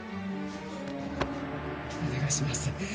お願いします